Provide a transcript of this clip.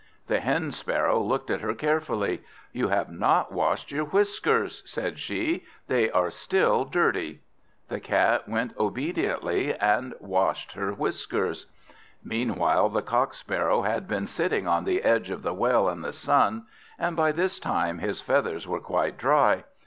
The Hen sparrow looked at her carefully. "You have not washed your whiskers," said she; "they are still dirty." The Cat went obediently and washed her whiskers. Meanwhile the Cock sparrow had been sitting on the edge of the well in the sun, and by this time his feathers were quite dry.